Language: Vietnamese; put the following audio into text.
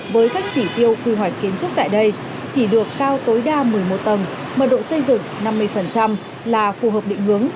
với các chỉ tiêu quy hoạch kiến trúc tại đây chỉ được cao tối đa một mươi một tầng mật độ xây dựng năm mươi là phù hợp định hướng